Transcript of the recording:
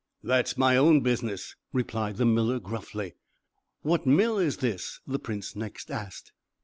"That's my own business," replied the miller gruffly. "What mill is this?" the prince next asked.